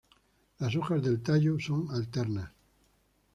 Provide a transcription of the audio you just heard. Las hojas del tallo son alternas.